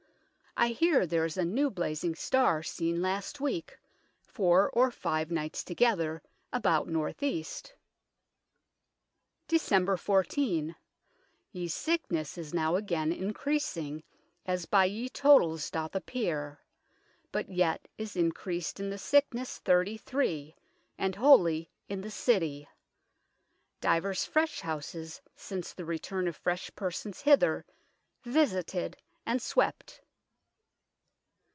I heare there is a new blazing starr scene last weeke, 4 or 5 nights together, about north east." " Dec. 14. Ye sicknes is now agayne increasing, as by ye totalls doth appeare, but yet is increased in the sicknes 33, and wholly in the City ; divers fresh houses, since the returne of fresh persons hither, visited and swept."